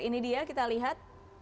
ini dia kita lihat